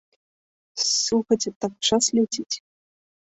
Слухайце, так час ляціць!